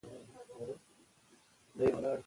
د ژبې لوړتیا زموږ ویاړ دی.